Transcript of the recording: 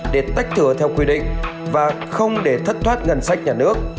để tách thừa theo quy định và không để thất thoát ngân sách nhà nước